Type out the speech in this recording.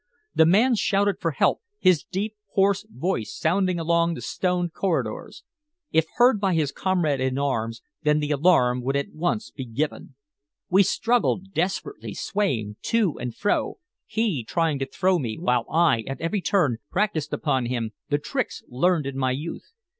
The man shouted for help, his deep, hoarse voice sounding along the stone corridors. If heard by his comrades in arms, then the alarm would at once be given. We struggled desperately, swaying to and fro, he trying to throw me, while I, at every turn, practiced upon him the tricks learned in my youth.